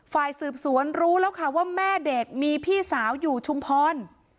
ฝ่ายสืบสวนรู้แล้วค่ะว่าแม่เด็กมีพี่สาวอยู่ชุมพร